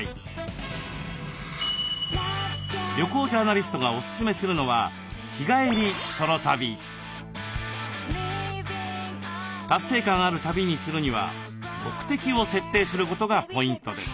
旅行ジャーナリストがおすすめするのは達成感ある旅にするには目的を設定することがポイントです。